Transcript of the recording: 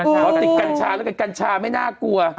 ขอติดกัญชาแล้วกันกัญชาไม่น่ากลัว